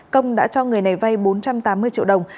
công đã cho người này vay bốn trăm tám mươi triệu đồng